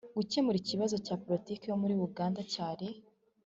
gukemura ikibazo cya politiki yo muri uganda cyari